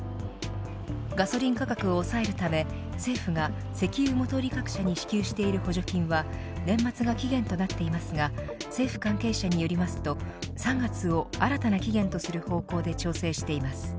ガソリン価格を抑えるため政府が石油元売り各社に支給している補助金は年末が期限となっていますが政府関係者によりますと３月を新たな期限とする方向で調整しています。